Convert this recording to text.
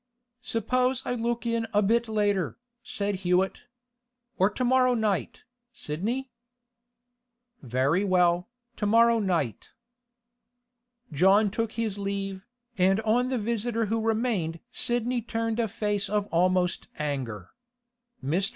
'Suppose I look in a bit later,' said Hewett. 'Or to morrow night, Sidney?' 'Very well, to morrow night.' John took his leave, and on the visitor who remained Sidney turned a face almost of anger. Mr.